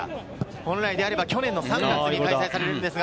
本来であれば去年の３月に開催されるんですが。